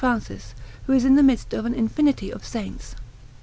Francis, who is in the midst of an infinity of saints.